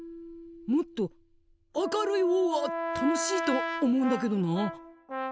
もっと明るい方が楽しいと思うんだけどなあ。